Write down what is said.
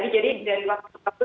jadi dari waktu itu